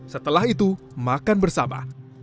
setelah itu makan bersama